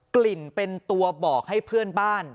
กลิ่นเป็นตัวบอกให้เพื่อนบ้าน